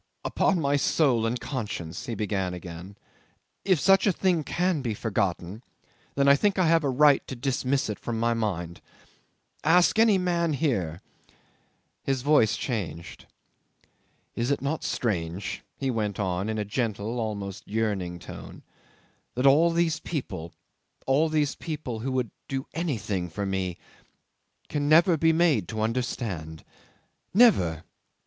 "Upon my soul and conscience," he began again, "if such a thing can be forgotten, then I think I have a right to dismiss it from my mind. Ask any man here" ... his voice changed. "Is it not strange," he went on in a gentle, almost yearning tone, "that all these people, all these people who would do anything for me, can never be made to understand? Never!